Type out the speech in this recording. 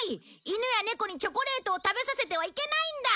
犬や猫にチョコレートを食べさせてはいけないんだ。